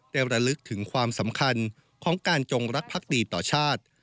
ระลึกถึงความสำคัญของการจงรักภักดีต่อชาติ